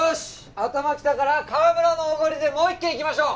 頭きたから川村のおごりでもう一軒行きましょう！